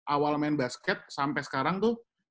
awal main basket sampai sekarang tuh